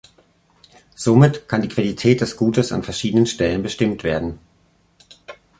Somit kann die Qualität des Gutes an verschiedenen Stellen bestimmt werden.